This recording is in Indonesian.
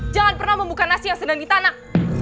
jangan pernah membuka nasi yang sedang ditanak